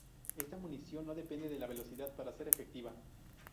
Esta munición no depende de la velocidad para ser efectiva.